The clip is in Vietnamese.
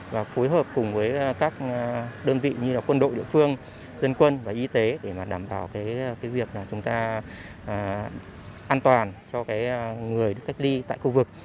và phối hợp cùng với các đơn vị như quân đội địa phương dân quân và y tế để đảm bảo việc an toàn cho người cách ly tại khu vực